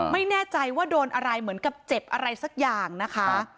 ไม่แน่ใจว่าโดนอะไรเหมือนกับเจ็บอะไรสักอย่างนะคะ